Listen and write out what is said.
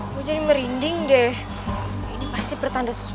aku juga udah jelasin ke sakti dan alina kalau